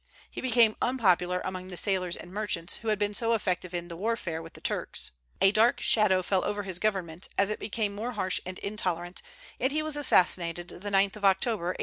He became unpopular among the sailors and merchants, who had been so effective in the warfare with the Turks. "A dark shadow fell over his government" as it became more harsh and intolerant, and he was assassinated the 9th of October, 1831.